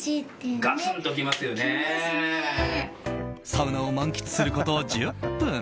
サウナを満喫すること１０分。